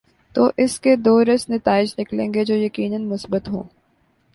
تو اس کے دوررس نتائج نکلیں گے جو یقینا مثبت ہوں۔